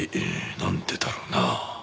なんでだろうな？